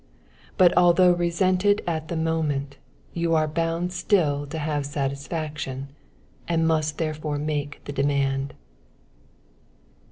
But although resented at the moment, you are bound still to have satisfaction, and must therefore make the demand.